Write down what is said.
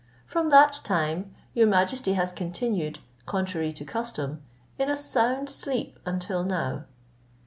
From that time your majesty has continued, contrary to custom, in a sound sleep until now.